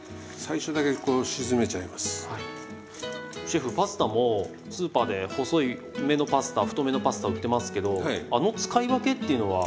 シェフパスタもスーパーで細めのパスタ太めのパスタ売ってますけどあの使い分けっていうのは？